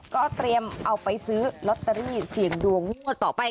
ก็เตรียมเอาไปซื้อลอตเตอรี่เสี่ยงดวงงวดต่อไป